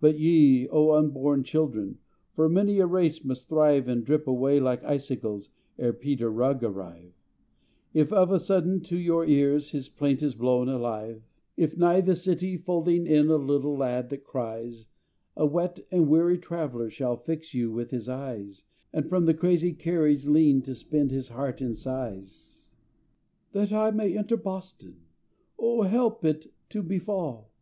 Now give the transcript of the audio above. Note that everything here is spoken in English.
But ye, O unborn children! (For many a race must thrive And drip away like icicles Ere Peter Rugg arrive,) If of a sudden to your ears His plaint is blown alive; If nigh the city, folding in A little lad that cries, A wet and weary traveller Shall fix you with his eyes, And from the crazy carriage lean To spend his heart in sighs: "That I may enter Boston, Oh, help it to befall!